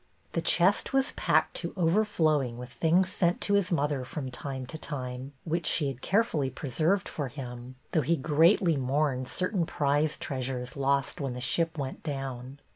The chest was packed to overflowing with things sent to his mother from time to time, which she had carefully preserved for him, though he greatly mourned certain prized treasures lost when the ship went down.